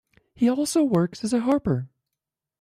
He also works as a Harper.